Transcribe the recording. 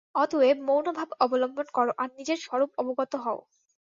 অতএব মৌনভাব অবলম্বন কর, আর নিজের স্বরূপ অবগত হও।